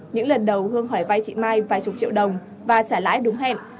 những lần đầu hương hỏi vay chị mai vài chục triệu đồng và trả lãi đúng hẹn